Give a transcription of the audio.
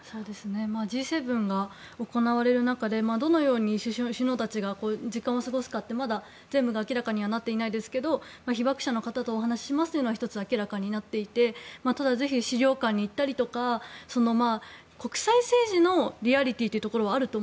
Ｇ７が行われる中でどのように首脳たちが時間を過ごすかってまだ全部が明らかになっていないですが被爆者の方とお話をしますというのが１つ明らかになっていてただぜひ資料館に行ったりとか国際政治のリアリティーというところはあると